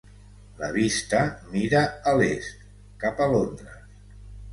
La vista mira a l'est, cap a Londres.